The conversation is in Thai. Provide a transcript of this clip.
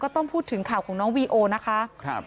ต้องพูดถึงข่าวของน้องวีโอนะคะ